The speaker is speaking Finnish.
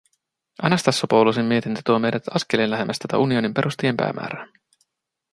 Anastassopoulosin mietintö tuo meidät askeleen lähemmäs tätä unionin perustajien päämäärää.